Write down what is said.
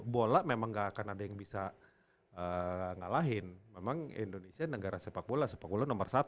bola memang gak akan ada yang bisa ngalahin memang indonesia negara sepak bola sepak bola nomor satu